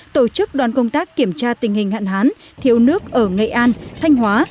tổ chức đoàn công tác kiểm tra tình hình hạn hán thiếu nước ở nghệ an thanh hóa